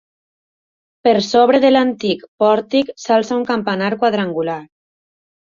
Per sobre de l'antic pòrtic s'alça un campanar quadrangular.